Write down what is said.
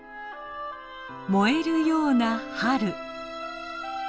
もえるような春。